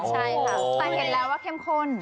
แต่เห็นแล้วว่าเข้มข้น